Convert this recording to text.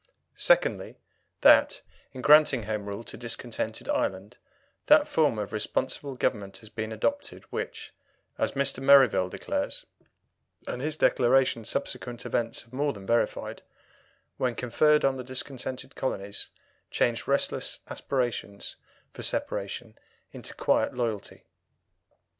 Secondly, that, in granting Home Rule to discontented Ireland, that form of responsible government has been adopted which, as Mr. Merivale declares and his declaration subsequent events have more than verified when conferred on the discontented colonies, changed restless aspirations for separation into quiet loyalty.